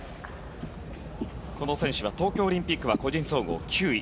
この選手は東京オリンピックは個人総合９位。